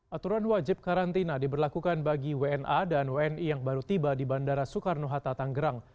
aturan wajib karantina diberlakukan bagi wna dan wni yang baru tiba di bandara soekarno hatta tanggerang